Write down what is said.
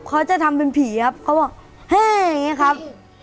เขาจะทำเป็นผีครับเขาบอกเฮ่อย่างนี้ครับ